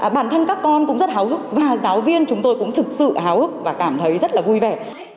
bản thân các con cũng rất háo hức và giáo viên chúng tôi cũng thực sự háo hức và cảm thấy rất là vui vẻ